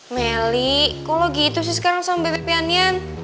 melih kok lo gitu sih sekarang sama bebe pianian